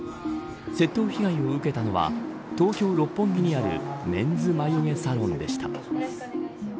窃盗被害を受けたのは東京、六本木にあるメンズ眉毛サロンでした。